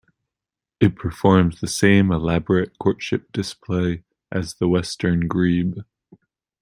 It performs the same elaborate courtship display as the western grebe.